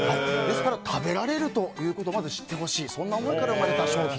食べられることを知ってほしいという思いから生まれた商品。